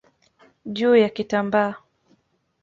juu ya kitambaa.